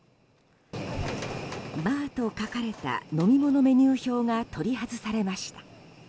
バーと書かれた飲み物メニュー表が取り外されました。